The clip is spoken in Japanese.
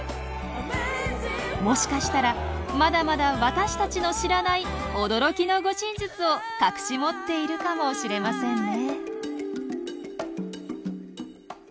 もしかしたらまだまだ私たちの知らない驚きの護身術を隠し持っているかもしれませんね。